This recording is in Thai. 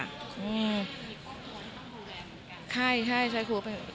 คุณก็มีครอบครัวที่ต้องดูแลเหมือนกัน